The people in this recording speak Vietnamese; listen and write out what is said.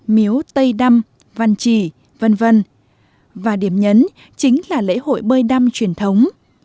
miếu tây đăm văn chỉ v v và điểm nhấn chính là lễ hội bơi đăm truyền thống